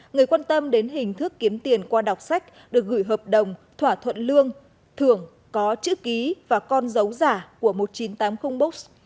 người quan tâm đến hình thức kiếm tiền qua đọc sách được gửi hợp đồng thỏa thuận lương thưởng có chữ ký và con dấu giả của một nghìn chín trăm tám mươi books